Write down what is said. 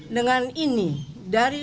dengan ini dari